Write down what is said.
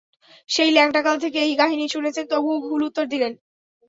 সেই লেংটা কাল থেকে এই কাহিনী শুনছেন, তবুও ভুল উত্তর দিলেন!